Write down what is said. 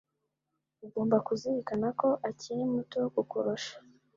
Ugomba kuzirikana ko akiri muto kukurusha.